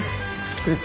クリップ。